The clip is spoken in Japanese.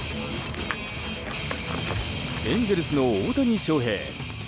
エンゼルスの大谷翔平。